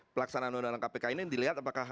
pelaksanaan undang undang kpk ini dilihat apakah